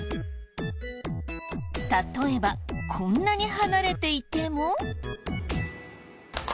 例えばこんなに離れていても。